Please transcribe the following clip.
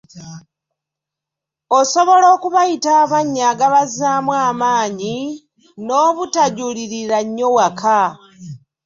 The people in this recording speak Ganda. Osobola okubayita amannya agabazzaamu amaanyi n’obutajulirira nnyo waka.